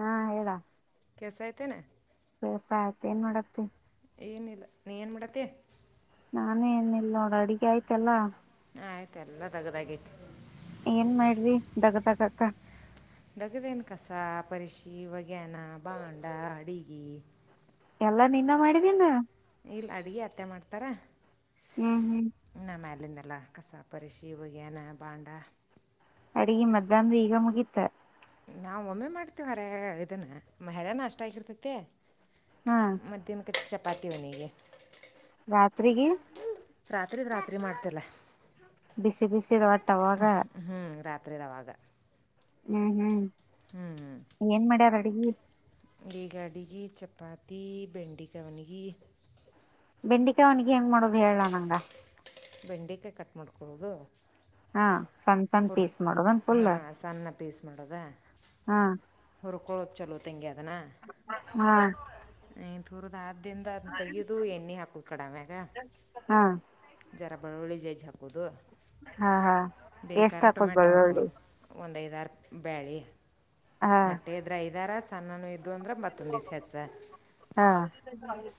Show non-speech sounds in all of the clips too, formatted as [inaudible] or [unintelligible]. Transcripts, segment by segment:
ಹಾ ಹೇಳ ಕೆಸಾಯತೆನೆ ಆಯ್ತ ಏನ್ ಮಾಡಕ್ ಏನಿಲ್ಲ ನೀ ಏನ್ ಮಾಡತಿ ನಾನು ಏನ ಇಿಲ್ಲ ನೋಡ ಅಡ್ಗೆ ಆಯ್ತಲ್ಲಾ ಹ ಆಯ್ತ ಎಲ್ಲಾ ತಗದಗೈತಿ ಏನ್ ಮಾಡ್ರಿ ದಗದಗಕ್ಕ ಡಗದೇಿನ ಕಸ ಪರಿಶಿ ವಗಾನ ಭಾಂಡಾ ಅಡುಿಗೆ ಎಲ್ಲ ನಿಂದ ಮಾಡಿದೀನ್. ಇಲ್ ಅಡಗಿ ಅತ್ತೆ ಮಾಡ್ತಾರಾ. ಹ್ಮ್ ಹ್ಮ್. ಅಲ್ಲಿಂದಲ್ಲ ಕಸ ಪರಿಶಿ ಒಗ್ಯನ ಭಾಂಡ. ಅಡಿಗಿ ಮಧ್ಯಾಹ್ದ್ ಈಗ ಮುಗೀತ. ನಾವ್ ಒಮ್ಮೆ ಮಾಡ್ತಿವ್ ವರೆ ಇದನ್ನ ಮೆರನ್ನ ಅಷ್ಟ್ ಆಗಿರ್ತೈತಿ. ಹಾ ಮಧ್ಯನಕ್ ಚಪ್ ಪಾತಿ ವನಿಗೆ. ರಾತ್ರಿಗಿ ರಾತ್ರಿ ರಾತ್ರಿ ಮಾಡ್ತೆಲ್ಲ. ಬಿಸಿ ಬಿಸಿ ರೊಟ್ಟವಾಗ. ತ್ರೆದವಾಗ. ಹ್ಮ್ ಹ್ಮ್. ಏನ್ ಮಾಡ್ಯರ್ ಅಡ್ಗಿ. ಇಗ್ ಅಡಿಗಿ ಚಪಾತಿ ಬೆಂಡಿಕಾಯ್ ವನ್ಗಿ. ಬೆಂಡಿಕ ವನಿಗೆ ಹೆಂಗ್ ಮಾಡೋದ್ ಹೇಳ ನಂಗ. ಬೆಂಡಕಾಯ್ ಕಟ್ ಮಾಡ್ಕೊಳ್ಳೊದು. ಹಾ ಸಣ್ಣ ಸಣ್ಣ ಪೀಸ್ ಮಾಡೊದೆನ್ ಫುಲ್ ಹಾಂ ಸಣ್ಣ ಪೀಸ್ ಹಾ. ಕೊಳ್ ಚಲೋ ತಂಗ್ಯಾದ್. ಇನ್ನ ಹ್ಮ್ ಹಥರೋದ ಿಂದ ಅ ತೆಗದುು ಎಣ್ಣೆ ಹಾಕುದ್ ಕಡಮ್ಯಾಗ ಹಾ ಜರ ಬಳ್ಳುಳ್ಳಿ ಜಜ್ಜಿ ಹಾಕೂದ ಹಾ ಹಾ ಎಷ್ಟ ಹಾಕದ ಬೆಳ್ಳುಳಿ ದ ಬೇಳ ಮಟ್ಟೆ ಅದ್ರ ಐದಾರ ಸಾನು ಅೊಂದ್ರ ಮತಂಡ ಸ್ಯಾಚ್ಚ ಹಾ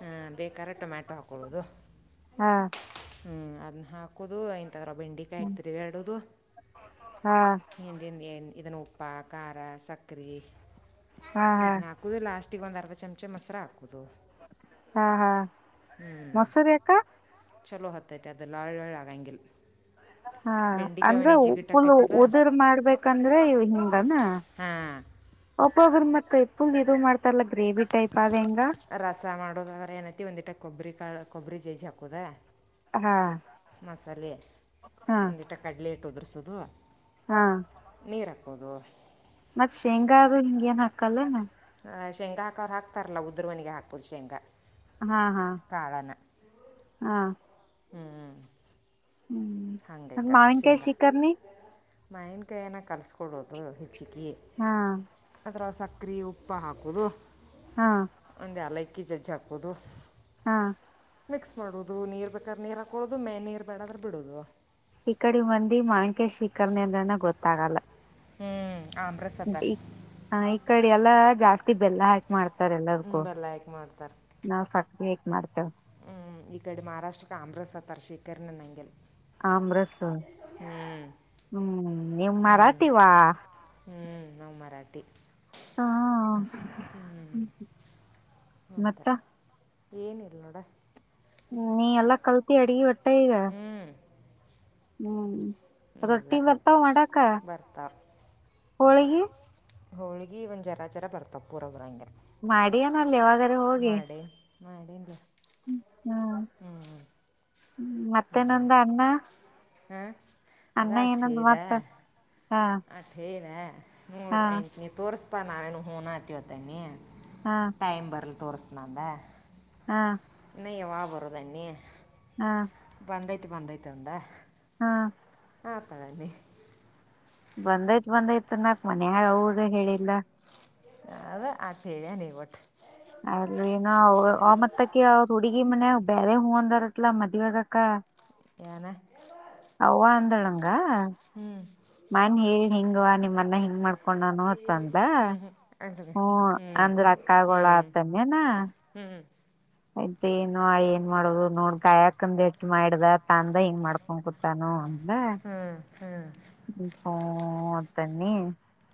ಹ ಬೇಕಾರ ಟೊಮ್ಯಾಟೊ ಹಾಕೊಳ್ಳೋದು ಹಾ ಹ್ಮ್ ಅದನ್ನ ಹಾಕುದು ರ ಬೆಂಡಿ ಹಾ ಕಾಯ್ತರಿ ಎರಡದು ಹಾ ಹಿಂದ ಇದನ್ನು ಉಪ್ಪ ಖಾರ ಸಕ್ಕರೆೆ ಇದ್ ಹಾ ನಾಲ್ಕದು ಲಾಸ್ಟ್ಗ ಒಂದ ಚಮಚ ಮಸ್ ತತ್ರ ಹಾ ಹಾ ಹ್ಞೂ ಮಸೂರಿ ಯಾಕ ಚಲೋ ಹತ್ತಟ ಅದಲ್ಲ ಆಳ್ ವಳ ಆಾಗಂಗಗೆ ಹಾ ಅಂದ್ರೆ ಪುಲ್ ಆಕೈತಿಲ್ಲ ಉದರ್ ಮಾಡ್ಬೇಕಂದ್ರೆ ಹಿಂದನಾ ಹಾಂ ಒಬ್ಬೊಬ್ಬ್ರ ಮತ್ತ ುಲ್ ಇದು ಮಾಡ್ತಾರಲ್ಲ ಗ್ರೇವಿ ಟೈಪ್ ಅದ ಹೆಂಗ ರಸ ಮಾಡೋದಾದ್ರ ಏನತಿ ಒಂದಿಟ ಕೊಬ್ಬರಿ ಕಾ ಕೊಬ್ಬರಿ ಚಿ ಹಕ್ಕುದಾ ಹಾ ಮಸಾಲೆ ಹಾ ಒಂದಿಟ ಕಡಲೆ ಇಟ್ಟದ್ರ ಸ ಬ ಹಾ ಕೂದುವ ಮತ್ತ್ ಶೇಂಗಾದೂ ಹಿಂಗ ಏನ್ ಹಾಕಲ್ಲ ಶೇಂಗ ಹಾಕೋ್ ಹಾಕ್ತಾರಲ್ಲ ಉದ್ರ ಮನಿಗೆ ಹಾಕ್ಬೋದು ಶೇಂಗಾ ಹಾ ಹಾ ಹಾ ಹ್ಮ್್ಮ ಹ್ಮ್ ಮಾವಿನ್ ಕಾಯ ಶಿಕಾರನ ಮಯನ್ ಕಾಯನ ಕಲ್ಸ್ಕಡೋದು. ಚಿಕಿ ಹಾ ಅದ್ರೋಸಾಕ್. ತ್ರೀ ಉಪ್ಪ ಹಾಕೊದು. ಹಾ ಒಂದ್ ಯಲಕ್ ಕಿ ಜಜ್ ಹಾಕೋದು. ಹಾ ಮಿಕ್ಸ್ ಮಾಡೋದು ನೀರ್ ಬೇಕರ್ ನೀರ್ ಹಾಕೊಳೋದು ಮೇ ನೀರ್ ಬೇಡದ್ರೆ ಬಿಡೊದು. ಈ ಕಡಿ ಮಂದಿ ಮಾಣಿಕ್ಯ ಶಿಕರ್ನೆದಾನ ಗೊತ್ತಾಗಲ್ಲ. ಹ್ಮ್ ಆಮ್ರಸ್ ಹ್ಮ್ ಅತ್ತಾರ ಇ ಹ ಈ ಕಡೆ ಎಲ್ ಲ್ಲ ಜಾಸ್ತಿ ಬೆಲ್ಲ ಹಾಕ್ ಮಾಡ್ತ್ ತರ್ ಎಲ್ಲದುಕ್ಕು ಹ್ಞೂ ಲೈಕ್ ಮಾಡ್ತಾರೆ ನಾವ್ ಸಕ್ರೆ ಹಾಕ್ ಮಾಡ್ ತ. ಹ್ಮ್ ಈ ಕಡೆ ಮಹಾರಾಷ್ಟ್ರಕ್ಕೆ ಆಮ್ರಸ್ತ್ತಾರ ಶೇಖರಣೆ ಅನ್ನಗಿಲ್. ಅಮ್ರಸ ಹ್ಮ್. ನೀವ್ ಹ್ಮ್ ಮರಾಠಿವಾ. ಟಿ. ಹಾ ಹ್ಮ್ ಹೌದ ಮತ್ತ ಏನಲ್ ನೋಡ ನೀ ಎಲ್ಲಾ ಕಲ್ತಿ ಅಡ್ಗಿ ಬರ್ತ ಈಗ ಹ್ಮ್ ಹ್ಮ್ ಎಲ್ಲ ರೊಟ್ಟಿ ಕಲ್ತೆ ಬರ್ತಾವ ಮಾಡಕ ಬರ್ತಾವ ಹೋಳಿಗೆ ಹೋಳಗಿ ಒ್ ಜರ ಜರ ಬರ್ತಾವ ಪೂರವಬರ ಹಂಗೆ ಮಾಡಿನ ಇಲ್ಲವಾದ್ರೆ ಹೋಗಿ ಮಾಡ ರ ಹ್ಮ್ ಹ್ಮ್ ಹ್ಮ ಮತ್ತೆ ನಂದ ಅಣ್ಣ ಹ್ಮ ಅದ ಅಷ್ಟ ಠೀಕ ಆ ಹ ಅ ಠೀಕ ಆ ನೋಡ್ ಹಾ ಐತ್ ನೀ ತೋರಿಸ ಅಪ್ಪ ನಾವೇನು ಹೂನ ಹತ್ತತತನಿ ಹಾ ಟೈಮ್ ಬರ್ಲಿ ತೋರಿಸ್ ನಲ್ಲ ಹಾ ನಯ್ಯವಾ ಬರೋದನ್ನಿ ಹಾ ಆ ಬಂದೈತ ಅಂದ ಹಾ ಹ ಅಪದನ್ನೆ ಬಂದೈತ್ ಬಂದೈತ್ ನಾಕ್ ಮನ್ ಅವಾಗ ಹೇಳಿಲ್ಲ ಅವ ಆಥ ಹೇಳ್ಯ ನೀ ಒಟ್ಟ ಅದು ಏನ ಆ ಮತ್ತಕ್ಕೆ ಹುಡುಗಿ ಮನೆ ಬೇರೆ ಹೂ ಬಂದಾರಲ್ಲ ಮದುವಗಕ್ಕ ಏನ ಅವ್ವ ಅಂದಳಂಗ ಹ ಹ್ಞೂ ಮನ್ ಹೇಳ ಹಿಂಗುವ ನಿಮ್ಮನ್ನ ಹ ಹ ಹಕೊಂಡಾನ ಹತಂದ ಹ್ಞೂ ಹ್ಞೂ ಅಂತದೆ ಹ ಹ್ಞೂ ಅಂದ್ರ ಹ್ಞೂ ಅಕ್ಕಗೋಳ ಆತನ್ಯನ ಹ್ಞೂ ಆಯ್ತ್ ಏನು ಏನ್ ಮಾಡದು ನೋಡ್ ಗಾಯಾಕಂದ ಎಷ್ಟ್ ಮಾಡ್ದ ತ ಅಂದ ಹೆಂಗ್ ಮಾಡ್ಕೊಂಡ್ ಕುತಾನು ಅಂದ ಹ್ಞೂ ಹ್ಞೂ ಹ್ಞೂ ಇ ತನ್ನಿ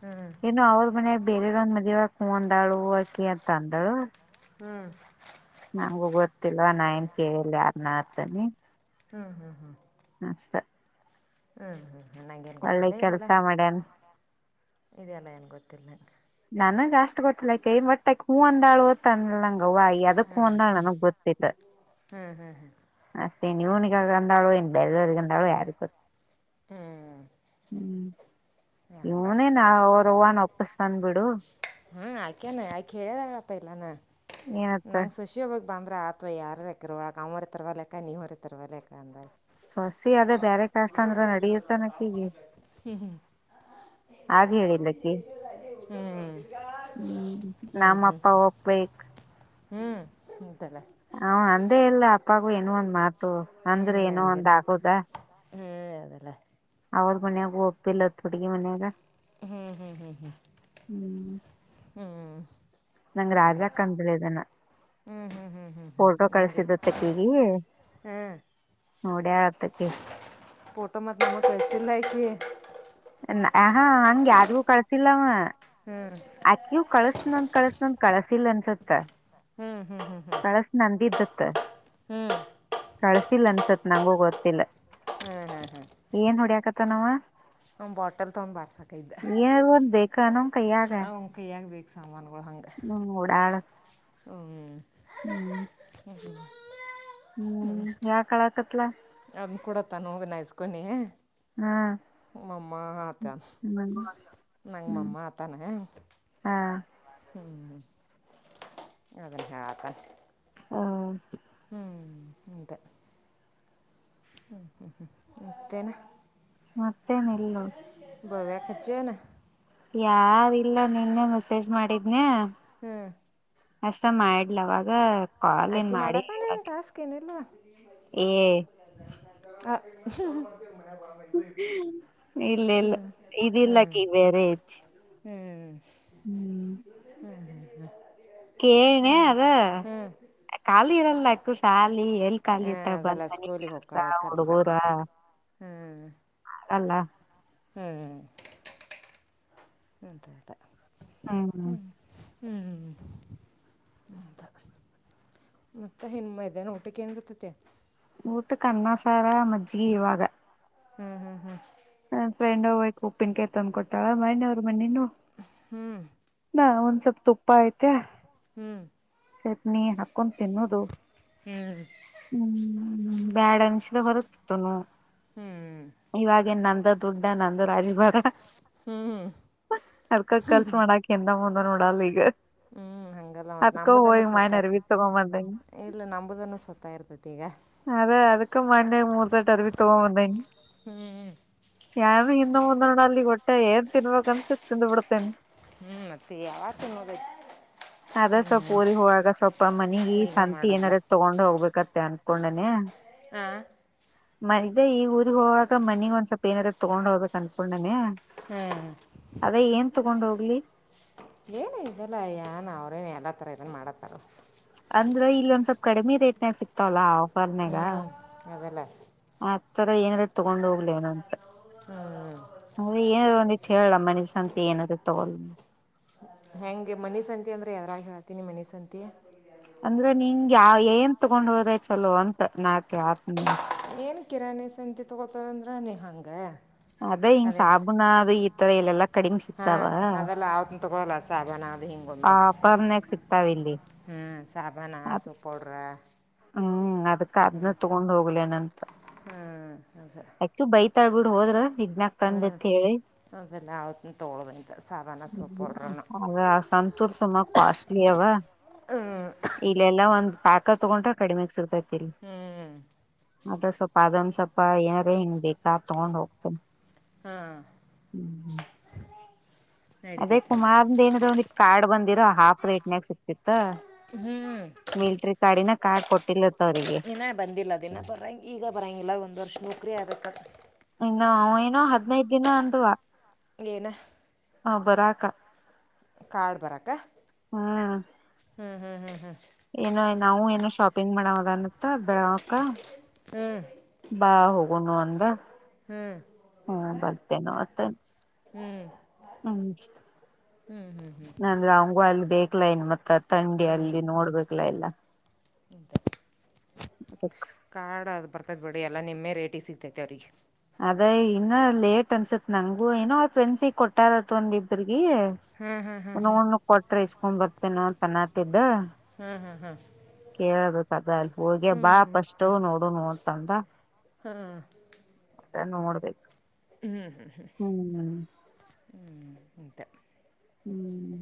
ಹ್ಞೂ ಹ್ಞೂ ಏನು ಅವ್ರ ಮನೆಯಾಗ ಬೇರೆರನ್ನ ಮದೆವ ಆಗಕ್ಕೆ ಹೂ ಅಂದಾಳು ಆಕೆ ಅಂತ ಅಂದಾಳು ಹ್ಮ್ ನಂಗು ಗೊತ್ತಿಲ್ವಾ ನಾ ನ್ ಕೇಳಲ್ಲಿ ಯಾರ್ನ ಅತನಿ ಹಾ ಹಾ ಹಾ ಅಷ್ಟೇ ಹ್ಮ್ ಹ್ಮ್ ಒಳ್ಳೆ ಕೆಲ್ಸ ಮಾಡ್ಯನ್ ಇದೆಲ್ಲ ಏನು ಗೊತ್ತಿಲ್ಲ ನನಗೆ ಅಷ್ಟು ಗೊತ್ತಲಕೈ ಬಟ್ಟ ಹೂ ಅಂತ ಒಂದಾಳುವ ತಂದ ನಂಗವ ಎದುಕ್ ಹ್ಮ ಅಂದಾಳು ನನಗ್ ಗೊತ್ತಿಲ್ಲ ಹ್ಞೂ ಹ್ಞೂ ಹ್ಞೂ ಅಷ್ಟೇ ನೀವನಿಗ ಅಂದಾಳುವ ಎ ಬೇರೆದವ್ರರಿಗಂದಳು ಯಾರ ಗೊತ್ತು ಹ್ಮ್ ಹ ಬರ್ರ ಇವನೇನ್ ಅವ್ರವ್ವನ್ ಒಪ್ಪಸ್ತಾನ್ ಬಿಡು ಹ್ಮ್ ಆಯಕ್ಯನು ಆಕೆ ಹೇಳ್ಯದಾರಪ್ಪ ಇಲ್ಲಾನ ಏನತ್ತ ನಂಗ್ ಸುಶ್ಯೋವಗ್ ಬಂದ್ರ ಆತ್ವಾ ಯಾರಕ್ಕಿರ [unintelligible] ತಿರ್ವ ಲೆಕ್ಕ ನೀವರಿ ತಿರ್ವ ಲೆಕ್ಕ ಅಂದ. ಸೊಸಿ ಅದೇ ಬ್ಯಾರೆ ಕ್ಯಸ್ಟ್ ಅಂದ್ರ ನಡಿಯು ತಾನ್ ಆಕಿಗೆ. ಅಗ್ ಹೇಳಿಲ್ಲಕಿ ಮ ಹ್ಞೂ ನಮ್ ಅಪ್ಪ ಒಪ್ಬೇಕ್ ಹ್ಮ್ ಹ್ಮ್. ಹು ಅಂದೇ ಇಲ್ಲ ಅಪ್ಪಾಗು ಏನೋ ಒಂದ್ ಮಾತು ಅಂದ್ರೆ ಏನೋ ಒಂದ್ ಆಗೋದ. ಹೆ ಅದೆಲ್ಲ. ಅವ್ರ್ ಮನ್ಯಾಗು ಒಪ್ಪಿಲ್ಲ ತೊಡ್ಗಿ ಮನ್ಯಾಗ. ಹ್ಮ್ ಹ್ಮ್ ಹ್ಮ್ ಹ್ಮ್. ಹ್ಮ್ ಹ್ಮ್ ನಂಗ್ ಅಂತ ರಾಜ ಕಂದ್ರೆ ಇದನ ಹ್ಮ್ ಹ್ಮ್ ಹ್ಮ್ ಹ್ಮ್ ಹ್ಮ್ ಫೋಟೋ ನಂಗೆ ಕಳಿಸಿದತಕ್ಕೀಗಿ ಹಾ ನೋಡ್ಯಾ ಆತಕಿ. ಫಟೋ ಮತ್ [unintelligible] ಕಳ್ಸಿಲ್ಲ ಆಕಿ. ನ್ ಹ ಹಾ ಹಂಗ್ ಯಾದ್ಗೂ ಕಳ್ಸಿಲ್ಲವ. ಅಕಿಯೂ ಕಳ್ಸ್ತನಂತ್ ಕಳ್ಸೀತಿನಂತ್ ಕಳ್ಸಿಲ್ ಅನ್ಸುತ್ತ. ಹ್ಮ್ ಹ್ಮ್ ಹ್ಮ್ ಹ್ಮ್. ತ್ತ ಹ್ಮ್ ಕಳ್ಸಿಲ್ಲ ಅನ್ಸತ್ ನಂಗ ಗೊತ್ತಿಲ್ಲ ಏನ್ ಹೊುಡ್ಯಾಕತ ನಾವ ಒ ಬಾಟಲ್ ತೊಂಡ್ ಬಾರ್ಸಕ ಇದ್ದ ಏನ್ ಒಂದ್ ಬೇಕ ನಮ್ ಕೈಯಾಗ ಅವ ಅ ಕೈ್ಯಾಗ ಬೇಕು ಸಾಮಾನುಗಳು ಹಂಗ ಹ್ಮ್ ಓಡಾಳ ಹ್ಞ ಹ್ಮ್ ಹ ಹ್ಮ್ ಯಾ ಕಳಕ ಲ ಅದ್ ಕುೂಡತ್ತಾನ ಹೂವ ನಾಯಸ್ಕನಿ ಹಾ ಮಮ್ಮ ಆತ ಹ್ಮ್ ನಂಗ ಹ್ಮ್ ಮಮ್ಮ ಆತಾನೇ ಹಾ ಹ್ಮ್್ಮ್ ಅದ್ರೆ ಹ ಆತ ಹ ಹ್ಮ್ ಹಂತ ಹ್ಮ್ ಹ್ಮ್ ಹ್ಮ್ ಮತ್ತೇನಾ ಮತ್ತೇನ್ ಇಲ್ಲ ಬವ್ಯಾಖರ್ಚನ ಯಾರಿಲ್ಲ ನಿನ್ನ ಮೆಸೇಜ್ ಮಾಡಿದ್ನಿ ಹ್ಮ್ ಹಸ ಮಾಡಡ್ಲವಾಗ ಆಕಿ ಮಾಡತಾನೇ ನ್ ಟಾಸ್ಕ್ ಏನಲ್ವಾ ಏ ಹ್ಮ್ ಹ್ಮ ಇಲ್ಲ ಇಲ್ಲ ಇದ ಇಲ್ಲಕ್ಕಿ ಬೇರೆ ಐತಿ ಹ್ಞ [unintelligible] ಹ್ಮ್ ಹ್ಮ ಕೇಳ್ನ ಅದ ಖಾಲಿ ಇರಲ್ಲ ಅಕ್ಕ ಸಾಲಿ ಎಲ್ಲಿ ಖಾಲಿ ಇರ್ತ ಬಂದ ಅದೆಲ್ಲ ಮನಗ್ ಸ್ಕೂಲಿಗೆ ಕೆಲ್ಸ ಹೋಗ್ತಾಳೆ ಹುಡುಗೋರ ಕಲ್ಸಕ್ಕೆ ಅಲ್ಲ ಹ್ಮ್ ಹ್ಮ ಅಂತೆ ಅ ಹ್ಮ್ ಹ್ಮ್ ಹ್ಮ್ ಹದ ಮತ್ತೆ ಹೆನ್ಮ್ಮ ಇದಾನ ಊಟಕ್ಕೆ ಏನ ಇರ್ತೆತಿ ಊಟಕ್ಕ ಅಣ್ಣ ಸಾರ ಮಜ್ಜಿ ಇವಾಗ ಹ್ಮ್ ಹ್ಮ್ ಹ್ಮ್ ಹ ಫ್ರೆಂಡ್ ಹ್ಕ್ ಉಪ್ಪಿನ ಕಾಯಿ ತಂದ್ ಕೊಟ್ಟಳ ಮಣ್ಣವ್ರರು ಮನೆನೊ ಸ ತು [unintelligible] ಪೈತ ಹ್ಞೂ ಸರಿ ನೀ ಹಾಕೊಂಡ ತಿನ್ನೋದು ಹ್ಮ್ ಹ್ಮ್ ಬ್ಯಾಡ ಅನ್ಸಿದ ಹೊರತ್ತತ್ತುನು ಹ್ಞೂ ಹ್ಞೂ ಇವಾಗೇನ್ ನಮ ದುಡ್ಡ ನಂದ ರಾಜಭಾರ ಹ್ಮ್್ಮ್ ಅದ್ಕ ಹ್ಮ್ ಖರ್ಚು ಮಾಡಾಕ್ ಹಿಂದ ಮುಂದ ನೋಡಲ್ಲ ಈಗ ಹಂಗಲ್ಲ ಮ ಅದ್ಕ ನಂಬುದನ್ನು ಹೋಗಿ ಸತ್ತ ಮಣ್ಣ ಇರ್ತ ಅರ್ಬಿ ತಗೊಂಡ್ ಬಂದೇನಿ ಇಲ್ಲ ನಂಬುದನ್ನು ಸತ್ತ ಇರ್ತತಿ ತೇಗ ಅದೇ ಅದಕ್ಕ ಮಂಡೆ ಮೂರು ಹ್ಞೂ [unintelligible] ಸೊ ಏನ್ ತಿನ್ನಬೇಕ ಅನಸುತ್ತ ತಿಂದು ಬಿಡತಿನಿ ಹ್ಮ್ ಮತ್ತ ಯವತನ್ನೋದ ಅದ ಸ್ವಲ್ಪ ಊರಿ ಹೋವಾಗ ಸ್ವಲ್ಪ ಮನಿಗಿ ಈಗ ಸಂತಿ ಮಾಡೋದ್ಲ ಏನರ ತಗೊಂಡ ಹೋಗಬೇಕತ್ತ ಮತ್ತೆ ಅನ್ಕೊಂಡನನೆ [inaudible] ಹಾ ಮನೆ ಈ ಊಗ ಹೋಗಾಗ ಮನಿಗಿ ಏನರ ಸ್ವಲ್ಪ ತಗೊಂಡ್ ಹೋಗ್ಬೇಕ ಅಂತ ಅನ್ಕೊಂಡಿನಿ ಹ್ಞೂ ಅದೇ ಏನ್ ತಗೊಂಡ ಹೋಗ ಅಲಿ ಏನ ಇದೆಲ್ಲ ಅಯ್ಯಾನ ಅವ್ರೇನ್ ಎಲ್ಲತರ ಇದನ್ ಮಾಡತ್ತಾರ ಅಂದ್ರ ಇಲ್ಲ ಒಂದ್ ಸ್ವಲ್ಪ್ ಕಡಿಮೆ ರೇಟ ಇನ್ನೇನು ಸಿಗ್ತಾವಲ್ಲಾ ಪರ್ನೆಗ ಹ್ಮ್ ಅದಲ್ಲ ಆತ ಈ ತರ ಏನಾದ ತಗೊಂಡ ಹೋಗ್ಲೇ ಅಂತ ಹ್ಮ್ ಅದೇ ಏನಾದೂ ಒಂದಿಟ್ಟು ಹೇಳಲ್ಲ ಮನಸಂತ ಏನಾದ್ೂ ತಗೊಲ್ ಹೆಂಗೆ ಮನೀ ಸಂತಿ ಅಂದ್ರೆ ಯಾವಾರಾಗ ಹೇಳ್ತೀನಿ ಮಣೀ ಸಂತಿ ಅಂದ್ರೆ ನಿಂಗ ಯ ಏನ್ ತಗೊಂಡ ಹೋದ ಚಲೋ ಅಂತ ನಾಕೆ ಆತ್ ಏನ್ ಕಿರಾಣಿ ಸಂತಿ ತಗೋತದಂದ್ರ ನೀ ಹಂಗ ಅದೇ ಹಿಂಗ್ ಅದೇನ್ ಸಾಬೂನ ಅದು ಈ ತರ ಇಲ್ಲೆಲ್ಲಾ ಕಡಿಮಿ ಹಾ ಸಿಕ್ತಾವ ಅದೆಲ್ಲ ಅವತನ್ ತಗೊಲ್ಲ ಸಾಬಾನ ಅದು ಹಿಂಗೊಮ್ಮೆ ಆ ಆಫರ್ನ್ಯಾಗ ಸಿಕ್ತಾವ ಇಲ್ಲಿ ಹ್ಮ್ ಸಾಬಾನ ಆ ಹಸೂ ಪೌಡ್ರ ಹ್ಮ್ ಅದ ದ ಅದನ್ನ ತಗೊಂಡ್ ಹೋಗ್ಲನಂತ ಹ್ಞೂ ಅದು ಆ ಬೈ ತಳ್ಬ ಬಿಿ ಹೋದ್ರ ಹ್ಞೂ ಇಗ್ನಕ್ಂದತ್ ಹೇಳಿ ಅವೆಲ್ಲ ಅವತ್ತನ್ನ ತಗೊಳ್ಳೋದಂತ ಸಾಬಾನ ಸೋಪ್ ಪೌಡ್ರನ ಅ ಸಂತೂರ್ ಸುಮ ಕಾಸ್ಟ್ಲಿ ಅವವ ಹ್ಞೂ ಇಲ್ಲಲ್ಲಾ ಒಂದ ಪ್ಯಾಕ ತಗೊಂಡ್ರೆ ಕಡಿಮೆ ಸಿಗ್ತೈತ್ ಹ್ಞೂ ಮ ಸ್ ಪಾದಂಸ ಪಾ ಏನಾರ ಹಿಂಗ್ ಬೇಕ್ ಯ ತಗೊಂಡ್ ಹೋಗ್ತಿನ್ ಹಾಂ ಹ್ಮ ಹ್ಮ್. ಅದೇ ನಡಿತೈತಿ ಕುಮಾರ್ದೆನವಂದೆ ಕಾರ್ಡ್ ಬಂದ್ ಇದಿರೋ ಹಾಫ್ ರೇಟ್ನಗ್ ಸಿಕಿತ್. ದ ಮಿಲ್ಟ್ರಿ ಕಾರ್ಡಿನ. ಕಾಡ್ ದಿನ ಬಂದಿಲ್ಲ ದಿನ ಬರಂಗ್ ಈಗ ಬರಂಗಿಲ್ಲ ಒಂದ್ ವರ್ಷ ನೌಕ್ರಿ ಆಗುತ್ ತ್ತ. ಇನ್ನೊ ಅವ ಏನೋ ಹದ್ನೈದ್ ದಿನ ಅಂದ್ವಾ. ಏನ. ಹಾ ಬರಕ. ಕಾರ್ಡ್ ಬರಕ. ಹಾ ಹ್ಮ್ ಹ್ಮ್ ಹ್ಮ್ ಹ್ಮ್. ಏನೋ ನಾವು ಏನೋ ಶಾಪಿಂಗ್ ಮಾಡವಗಲ್ ತ ಬೆಳಕ ಹ್ಮ್ ಬಾ ಹೋಗ್ ಒನ್ ಒಂದ. ಹ್ಮ್ ಹಾ ಬರ್ತೇನೆ ಮತ್ತ ಹ್ಮ್ ಹ್ಮ್ ನಂದ್ರೆ ಅವಂಗೂ ಅಲ್ಲಿ ಬೇಕ ೈನ್ ಮತ್ತ ಂಡಿ ಅಲ್ಲಿ ನೋಡ್ಬೇಕಲ ಎಲ್ಲ ಹ್ಮ್ ಅದಕ್ ಕಾಡ ಅದ ಬರ್ತ ಬಿಡಿ ಎಲ್ಲ ನಿಮ್ಮೆ ರೇಟಿ ಸಿಗ್ತೈತೆ ಅವ್ರಿಗೆ ಅದ ಇನ್ನ ಲೇಟ್ ಅನ್ಸತ್ ನಂಗಗು ಏೋ ಆ ಫ್ರೆಂಡ್ಸಗ್ ಕೊಟ್ಟಾರತ್ ಒಂದ ಇಬ್ಬ್ರ ಹ್ಮ್ ಹ್ಮ್ ನೋ ಕೊಟ್ರೆ ಒಂಬತ್ತ ನೋ ತನ್ನತಿದ್ದ ಹ್ಮ್ ಹ್ಮ್ ಹಾ ಕೇಳಬೇಕ ಅದ ಅಲ್ಲಿ ಹೋಗಿ ಬಾ ಸ್ ನೋಡು ನೋಡ್ತಂದ ನೋಡ್ಬೇಕು ಹ್ಮ್ ಹ್ಮ್ ಹ್ಮ್ ಹ ಇಂತ ಹ್ಮ್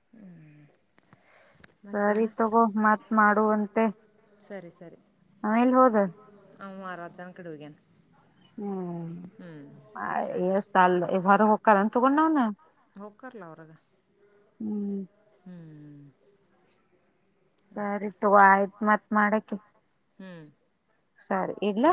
[unintelligible] ಸರಿ ಮತ್ತೇನ ತಗೋ ಮತ್ತ್ ಮಾಡುವಂತೆ ಆವೆಲ್ ಹೋದ. ಅವ್ ಮಾರಾಚನ್ ಕಡೆ ಹೊಗ್ಯನ. ಹ್ಮ್ ಅ ಎ ಸರಿ ಸ್ಟಾಳ್ದೆ ಹೊರ ಹೊಕ್ಕರೆನ್ ತಗೊಂಡ್ ನಾನ. ಇರ್ತಲ್ಲ ಹೊರಗ. ಹ್ಮ್ ಸರಿ ಹೋಗ್ತಾರೆ ತೊಗೊ ಆಯ್ತ್ ಮತ್ ಮಾಡಕಿ. ಹ್ಮ್ ಸರಿ ಇಡ್ಲ.